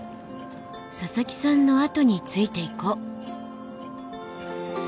佐々木さんのあとについていこう。